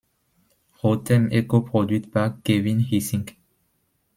Rotem et coproduite par Kevin Hissink.